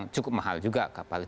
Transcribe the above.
cukup mahal juga kapal